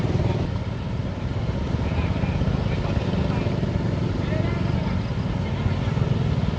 เมื่อเวลาอันดับสุดท้ายจะมีเวลาอันดับสุดท้ายมากกว่า